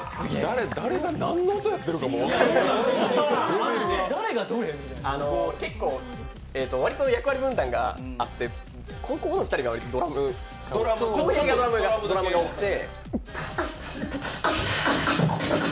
誰が何の歌やってるかも分からんかった割と役割分担があってと、ここ２人が。Ｋｏｈｅｙがドラムが多くて。